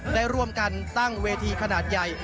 ได้ร่วมกันตั้งเวทีขนาดใหญ่